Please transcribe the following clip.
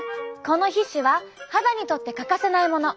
この皮脂は肌にとって欠かせないもの。